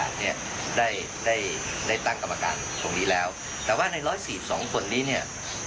ด้วยในตั้งกรรมการธงดีแล้วแต่ว่าใน๑๔๒หัวนี้เนี่ย